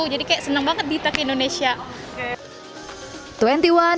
jadi kayak seneng banget dita ke indonesia